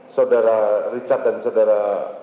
saudara richard dan saudara